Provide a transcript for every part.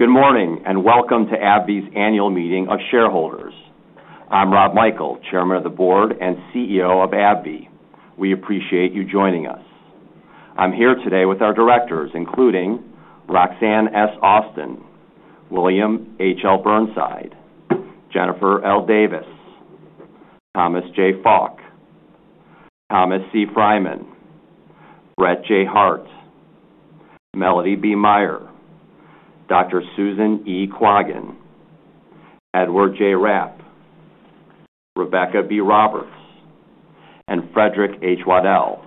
Good morning, and welcome to AbbVie's annual meeting of shareholders. I'm Rob Michael, Chairman of the Board and Chief Executive Officer of AbbVie. We appreciate you joining us. I'm here today with our directors, including Roxanne S. Austin, William H.L. Burnside, Jennifer L. Davis, Thomas J. Falk, Thomas C. Freyman, Brett J. Hart, Melody B. Meyer, Dr. Susan E. Quaggin, Edward J. Rapp, Rebecca B. Roberts, and Frederick H. Waddell.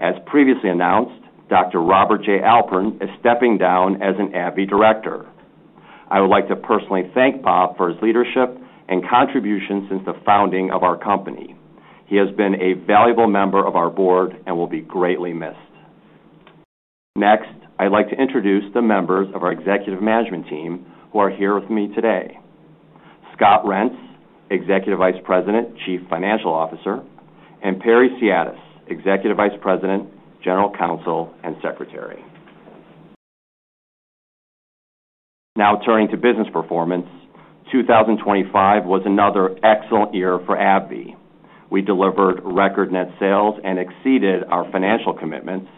As previously announced, Dr. Robert J. Alpern is stepping down as an AbbVie director. I would like to personally thank Bob for his leadership and contributions since the founding of our company. He has been a valuable member of our board and will be greatly missed. Next, I'd like to introduce the members of our executive management team who are here with me today. Scott Reents, Executive Vice President, Chief Financial Officer, and Perry Siatis, Executive Vice President, General Counsel and Secretary. Now turning to business performance, 2025 was another excellent year for AbbVie. We delivered record net sales and exceeded our financial commitments,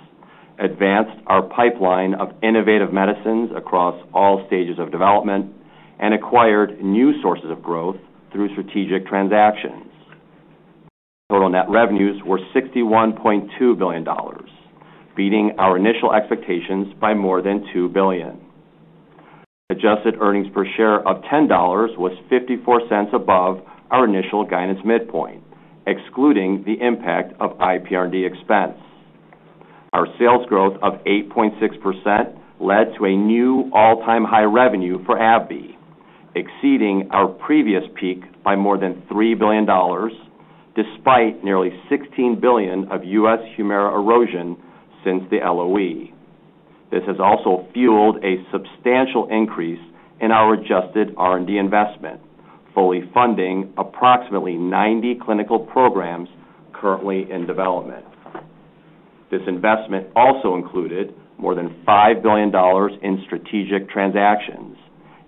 advanced our pipeline of innovative medicines across all stages of development, and acquired new sources of growth through strategic transactions. Total net revenues were $61.2 billion, beating our initial expectations by more than $2 billion. Adjusted earnings per share of $10.54 was above our initial guidance midpoint, excluding the impact of IPR&D expense. Our sales growth of 8.6% led to a new all-time high revenue for AbbVie, exceeding our previous peak by more than $3 billion despite nearly $16 billion of US HUMIRA erosion since the LOE. This has also fueled a substantial increase in our adjusted R&D investment, fully funding approximately 90 clinical programs currently in development. This investment also included more than $5 billion in strategic transactions,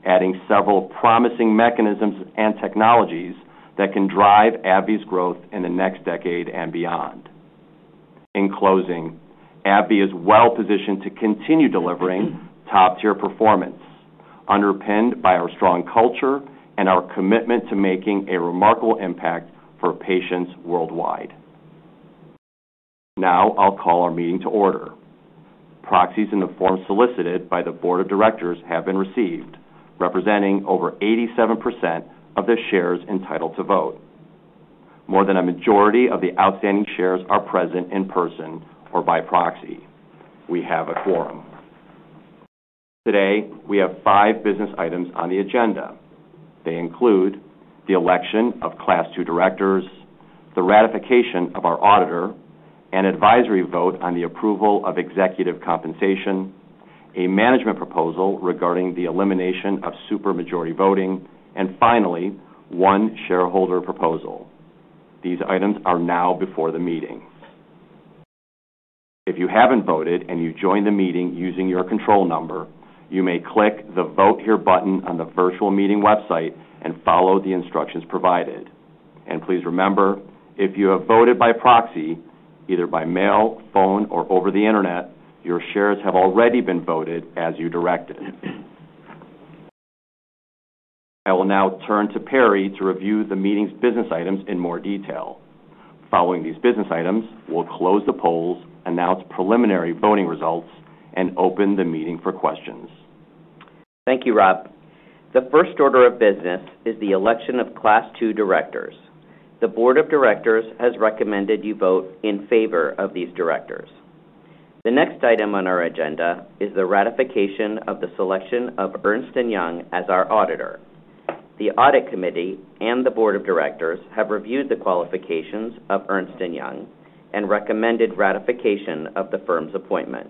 adding several promising mechanisms and technologies that can drive AbbVie's growth in the next decade and beyond. In closing, AbbVie is well-positioned to continue delivering top-tier performance, underpinned by our strong culture and our commitment to making a remarkable impact for patients worldwide. Now I'll call our meeting to order. Proxies in the form solicited by the board of directors have been received, representing over 87% of the shares entitled to vote. More than a majority of the outstanding shares are present in person or by proxy. We have a quorum. Today, we have five business items on the agenda. They include the election of Class II directors, the ratification of our auditor, an advisory vote on the approval of executive compensation, a management proposal regarding the elimination of supermajority voting, and finally, one shareholder proposal. These items are now before the meeting. If you haven't voted and you joined the meeting using your control number, you may click the Vote Here button on the virtual meeting website and follow the instructions provided. Please remember, if you have voted by proxy, either by mail, phone, or over the Internet, your shares have already been voted as you directed. I will now turn to Perry to review the meeting's business items in more detail. Following these business items, we'll close the polls, announce preliminary voting results, and open the meeting for questions. Thank you, Rob. The first order of business is the election of Class II directors. The board of directors has recommended you vote in favor of these directors. The next item on our agenda is the ratification of the selection of Ernst & Young as our auditor. The audit committee and the board of directors have reviewed the qualifications of Ernst & Young and recommended ratification of the firm's appointment.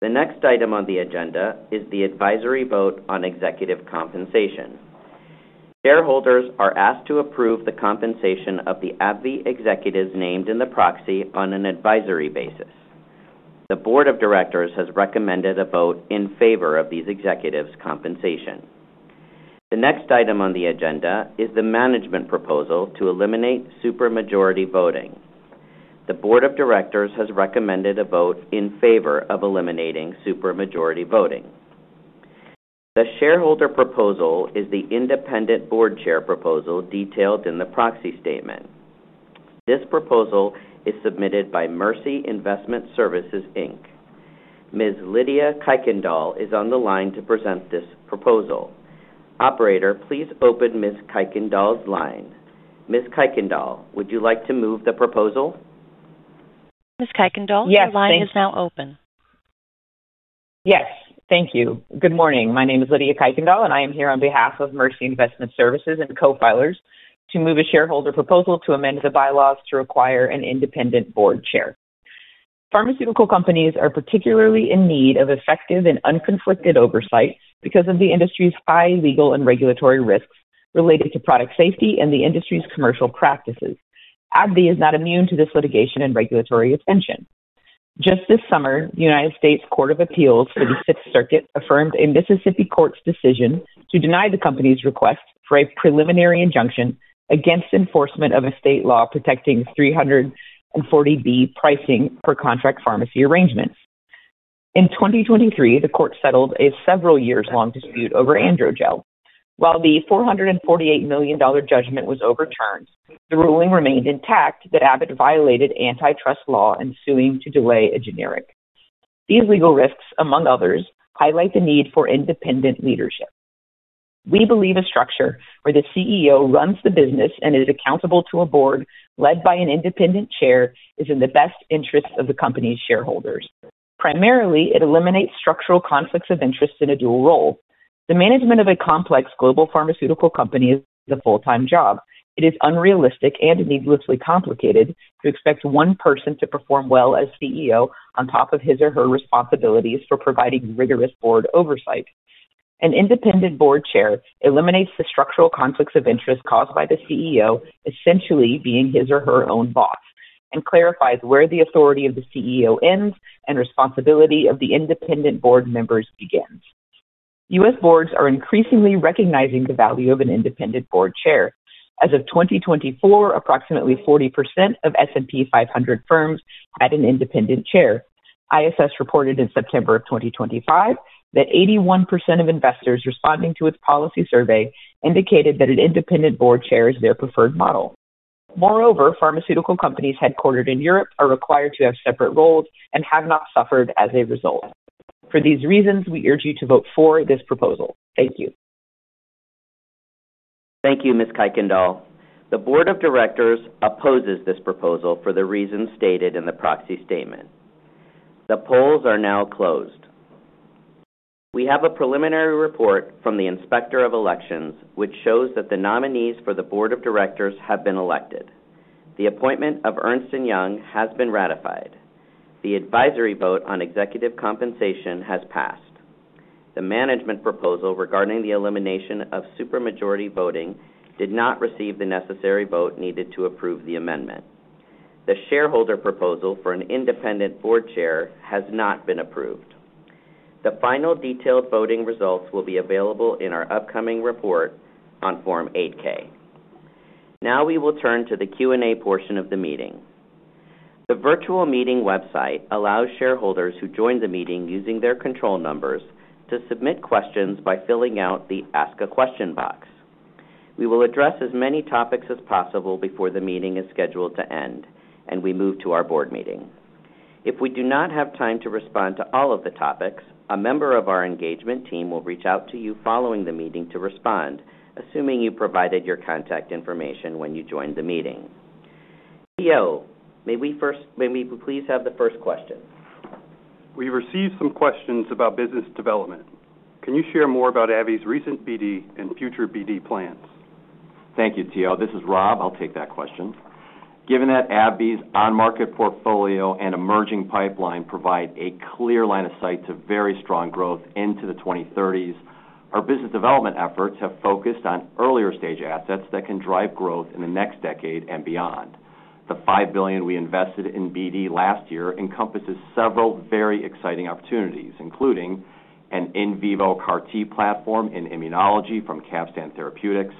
The next item on the agenda is the advisory vote on executive compensation. Shareholders are asked to approve the compensation of the AbbVie executives named in the proxy on an advisory basis. The board of directors has recommended a vote in favor of these executives' compensation. The next item on the agenda is the management proposal to eliminate supermajority voting. The board of directors has recommended a vote in favor of eliminating supermajority voting. The shareholder proposal is the independent board chair proposal detailed in the proxy statement. This proposal is submitted by Mercy Investment Services, Inc. Ms. Lydia Kuykendall is on the line to present this proposal. Operator, please open Ms. Kuykendall's line. Ms. Kuykendall, would you like to move the proposal? Ms. Kuykendall Yes, thank you. your line is now open. Yes, thank you. Good morning. My name is Lydia Kuykendall, and I am here on behalf of Mercy Investment Services and co-filers to move a shareholder proposal to amend the bylaws to require an independent board chair. Pharmaceutical companies are particularly in need of effective and unconflicted oversight because of the industry's high legal and regulatory risks related to product safety and the industry's commercial practices. AbbVie is not immune to this litigation and regulatory attention. Just this summer, the United States Court of Appeals for the Sixth Circuit affirmed a Mississippi court's decision to deny the company's request for a preliminary injunction against enforcement of a state law protecting 340B pricing for contract pharmacy arrangements. In 2023, the court settled a several years-long dispute over AndroGel. While the $448 million judgment was overturned, the ruling remained intact that Abbott violated antitrust law ensuing to delay a generic. These legal risks, among others, highlight the need for independent leadership. We believe a structure where the CEO runs the business and is accountable to a board led by an independent chair is in the best interest of the company's shareholders. Primarily, it eliminates structural conflicts of interest in a dual role. The management of a complex global pharmaceutical company is a full-time job. It is unrealistic and needlessly complicated to expect one person to perform well as CEO on top of his or her responsibilities for providing rigorous board oversight. An independent board chair eliminates the structural conflicts of interest caused by the CEO essentially being his or her own boss, and clarifies where the authority of the CEO ends and responsibility of the independent board members begins. US boards are increasingly recognizing the value of an independent board chair. As of 2024, approximately 40% of S&P 500 firms had an independent chair. ISS reported in September of 2025 that 81% of investors responding to its policy survey indicated that an independent board chair is their preferred model. Moreover, pharmaceutical companies headquartered in Europe are required to have separate roles and have not suffered as a result. For these reasons, we urge you to vote for this proposal. Thank you. Thank you, Ms. Kuykendall. The board of directors opposes this proposal for the reasons stated in the proxy statement. The polls are now closed. We have a preliminary report from the Inspector of Elections, which shows that the nominees for the board of directors have been elected. The appointment of Ernst & Young has been ratified. The advisory vote on executive compensation has passed. The management proposal regarding the elimination of supermajority voting did not receive the necessary vote needed to approve the amendment. The shareholder proposal for an independent board chair has not been approved. The final detailed voting results will be available in our upcoming report on Form 8-K. Now we will turn to the Q&A portion of the meeting. The virtual meeting website allows shareholders who join the meeting using their control numbers to submit questions by filling out the Ask a Question box. We will address as many topics as possible before the meeting is scheduled to end, and we move to our board meeting. If we do not have time to respond to all of the topics, a member of our engagement team will reach out to you following the meeting to respond, assuming you provided your contact information when you joined the meeting. Theo, may we please have the first question? We received some questions about business development. Can you share more about AbbVie's recent BD and future BD plans? Thank you, Theo. This is Rob. I'll take that question. Given that AbbVie's on-market portfolio and emerging pipeline provide a clear line of sight to very strong growth into the 2030s, our business development efforts have focused on earlier-stage assets that can drive growth in the next decade and beyond. The $5 billion we invested in BD last year encompasses several very exciting opportunities, including an in vivo CAR T platform in immunology from Capstan Therapeutics,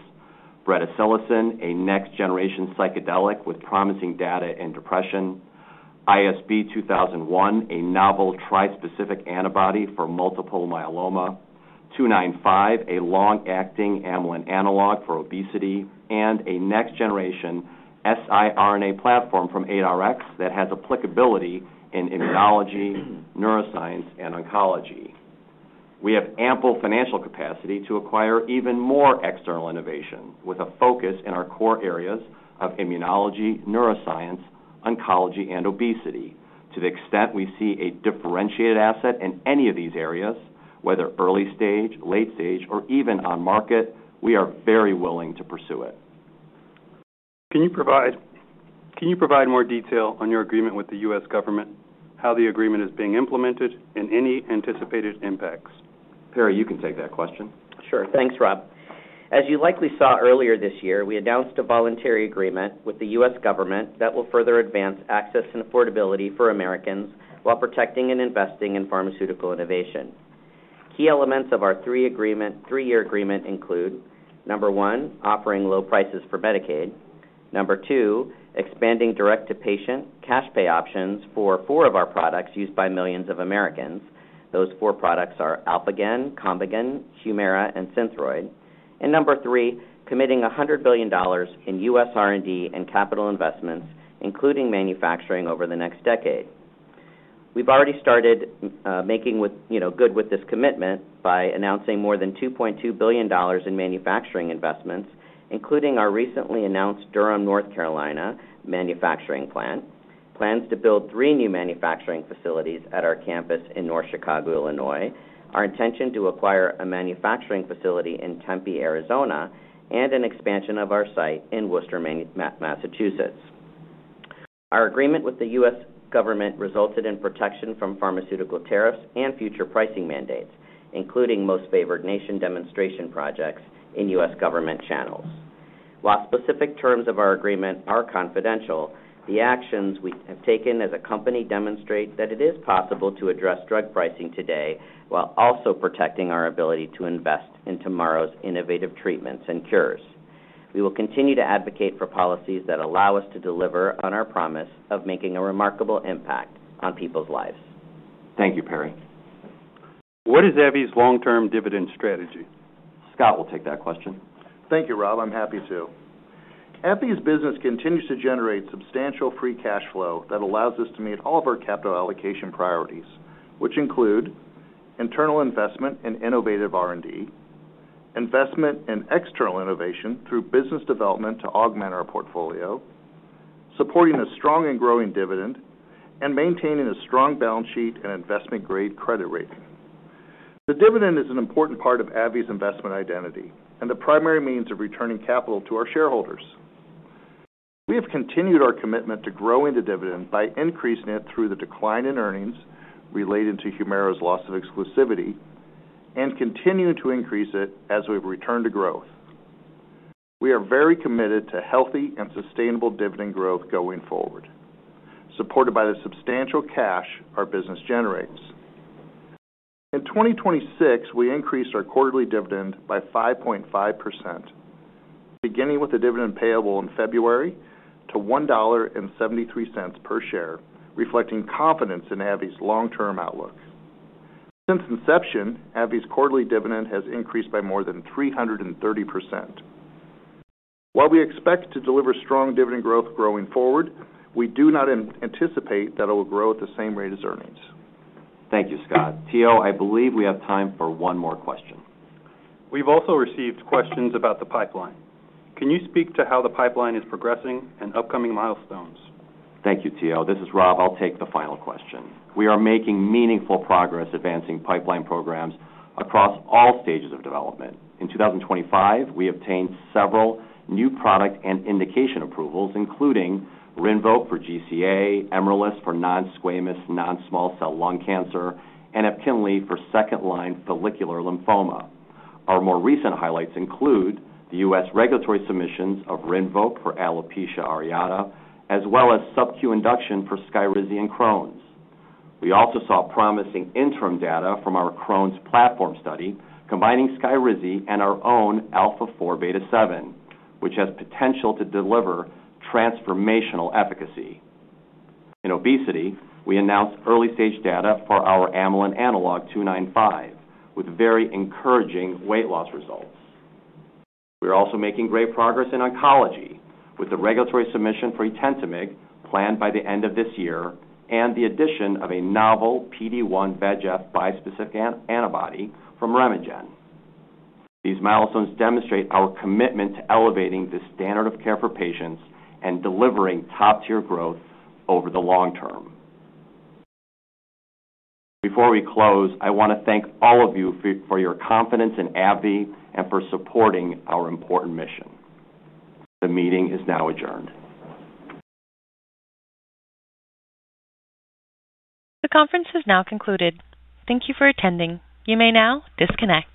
bretisilocin, a next-generation psychedelic with promising data in depression, ISB-2001, a novel trispecific antibody for multiple myeloma, ABBV-295, a long-acting amylin analog for obesity, and a next-generation siRNA platform from Arrowhead Pharmaceuticals that has applicability in immunology, neuroscience, and oncology. We have ample financial capacity to acquire even more external innovation, with a focus in our core areas of immunology, neuroscience, oncology, and obesity. To the extent we see a differentiated asset in any of these areas, whether early stage, late stage, or even on market, we are very willing to pursue it. Can you provide more detail on your agreement with the US government, how the agreement is being implemented, and any anticipated impacts? Perry, you can take that question. Sure. Thanks, Rob. As you likely saw earlier this year, we announced a voluntary agreement with the US government that will further advance access and affordability for Americans while protecting and investing in pharmaceutical innovation. Key elements of our three-year agreement include, number one, offering low prices for Medicaid. Number two, expanding direct-to-patient cash pay options for 4 of our products used by millions of Americans. Those four products are ALPHAGAN, COMBIGAN, HUMIRA, and SYNTHROID. Number three, committing $100 billion in US R&D and capital investments, including manufacturing over the next decade. We've already started, you know, making with, good with this commitment by announcing more than $2.2 billion in manufacturing investments, including our recently announced Durham, North Carolina, manufacturing plant, plans to build three new manufacturing facilities at our campus in North Chicago, Illinois, our intention to acquire a manufacturing facility in Tempe, Arizona, and an expansion of our site in Worcester, Massachusetts. Our agreement with the US government resulted in protection from pharmaceutical tariffs and future pricing mandates, including Most Favored Nation demonstration projects in US government channels. While specific terms of our agreement are confidential, the actions we have taken as a company demonstrate that it is possible to address drug pricing today while also protecting our ability to invest in tomorrow's innovative treatments and cures. We will continue to advocate for policies that allow us to deliver on our promise of making a remarkable impact on people's lives. Thank you, Perry. What is AbbVie's long-term dividend strategy? Scott will take that question. Thank you, Rob. I'm happy to. AbbVie's business continues to generate substantial free cash flow that allows us to meet all of our capital allocation priorities, which include internal investment in innovative R&D, investment in external innovation through business development to augment our portfolio, supporting a strong and growing dividend, and maintaining a strong balance sheet and investment-grade credit rating. The dividend is an important part of AbbVie's investment identity and the primary means of returning capital to our shareholders. We have continued our commitment to growing the dividend by increasing it through the decline in earnings related to Humira's loss of exclusivity and continuing to increase it as we return to growth. We are very committed to healthy and sustainable dividend growth going forward, supported by the substantial cash our business generates. In 2026, we increased our quarterly dividend by 5.5%, beginning with the dividend payable in February to $1.73 per share, reflecting confidence in AbbVie's long-term outlook. Since inception, AbbVie's quarterly dividend has increased by more than 330%. While we expect to deliver strong dividend growth growing forward, we do not anticipate that it will grow at the same rate as earnings. Thank you, Scott. Theo, I believe we have time for one more question. We've also received questions about the pipeline. Can you speak to how the pipeline is progressing and upcoming milestones? Thank you, Theo. This is Rob. I'll take the final question. We are making meaningful progress advancing pipeline programs across all stages of development. In 2025, we obtained several new product and indication approvals, including RINVOQ for GCA, EMRELIS for non-squamous, non-small cell lung cancer, and EPKINLY for second-line follicular lymphoma. Our more recent highlights include the US regulatory submissions of RINVOQ for alopecia areata, as well as subcu induction for SKYRIZI and Crohn's. We also saw promising interim data from our Crohn's platform study combining SKYRIZI and our own alpha-4 beta-7, which has potential to deliver transformational efficacy. In obesity, we announced early-stage data for our amylin analog 295 with very encouraging weight loss results. We are also making great progress in oncology with the regulatory submission for etentamig planned by the end of this year and the addition of a novel PD-1/VEGF bispecific antibody from RemeGen. These milestones demonstrate our commitment to elevating the standard of care for patients and delivering top-tier growth over the long term. Before we close, I wanna thank all of you for your confidence in AbbVie and for supporting our important mission. The meeting is now adjourned. The conference has now concluded. Thank you for attending. You may now disconnect.